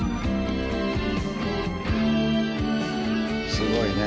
すごいね。